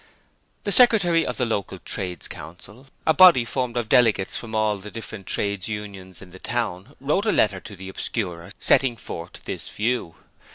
The Secretary of the local Trades Council, a body formed of delegates from all the different trades unions in the town, wrote a letter to the Obscurer, setting forth this view.